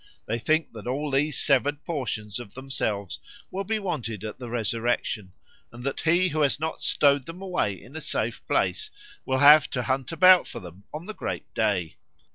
They think that all these severed portions of themselves will be wanted at the resurrection, and that he who has not stowed them away in a safe place will have to hunt about for them on the great day.